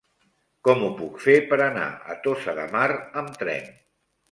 Com ho puc fer per anar a Tossa de Mar amb tren?